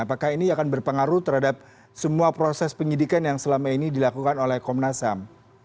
apakah ini akan berpengaruh terhadap semua proses penyidikan yang selama ini dilakukan oleh komnas ham